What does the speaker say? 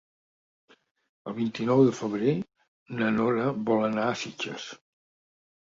El vint-i-nou de febrer na Nora vol anar a Sitges.